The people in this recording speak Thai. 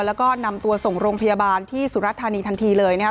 แล้วก็นำตัวส่งโรงพยาบาลที่สุรธานีทันทีเลยนะครับ